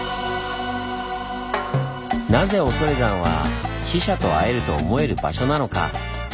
なぜ恐山は死者と会えると思える場所なのか？